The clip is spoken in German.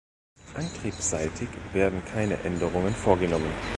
Antriebsseitig werden keine Änderungen vorgenommen.